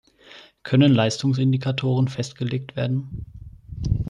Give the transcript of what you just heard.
Können Leistungsindikatoren festgelegt werden?